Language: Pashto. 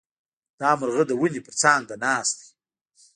دا مرغه د ونې پر څانګه ناست دی.